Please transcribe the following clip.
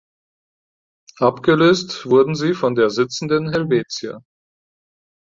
Abgelöst wurden sie von der "Sitzenden Helvetia".